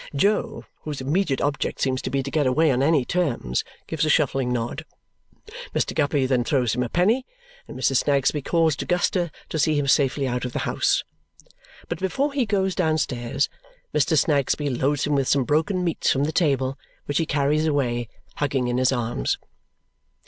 Jo, whose immediate object seems to be to get away on any terms, gives a shuffling nod. Mr. Guppy then throws him a penny, and Mrs. Snagsby calls to Guster to see him safely out of the house. But before he goes downstairs, Mr. Snagsby loads him with some broken meats from the table, which he carries away, hugging in his arms.